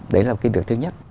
đấy là cái việc thứ nhất